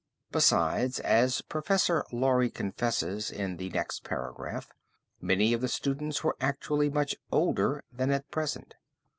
Besides, as Professor Laurie confesses in the next paragraph, many of the students were actually much older than at present.